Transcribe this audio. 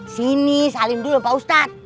sini salim dulu pak ustadz